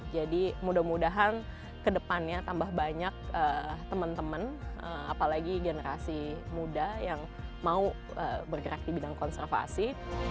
jadi mudah mudahan kedepannya tambah banyak temen temen apalagi generasi muda yang mau bergerak di bidang konservasi